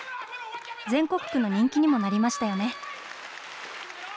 全国区の人気にもなりましたよね。